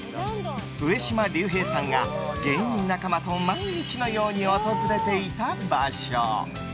上島竜兵さんが芸人仲間と毎日のように訪れていた場所。